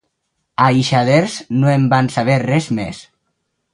A Eixaders no en van saber res més.